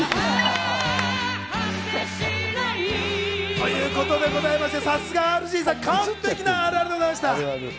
ということでございまして、さすがはＲＧさん、完璧なあるあるでございました。